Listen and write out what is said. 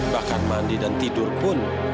bahkan mandi dan tidur pun